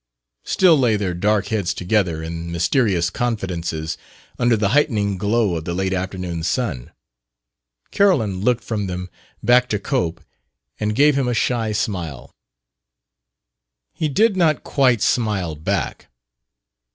still lay their dark heads together in mysterious confidences under the heightening glow of the late afternoon sun. Carolyn looked from them back to Cope and gave him a shy smile. He did not quite smile back.